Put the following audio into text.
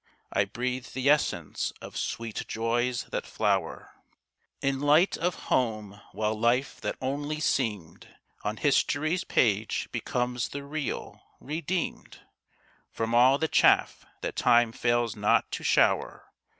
I breathe the essence of sweet joys that flower In light of home; while life that only seemed On history's page becomes the real, redeemed From all the chaff that time fails not to shower.